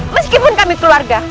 meskipun kami keluarga